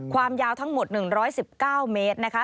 ความยาวทั้งหมด๑๑๙เมตรนะคะ